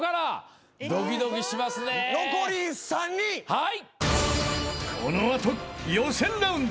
はい。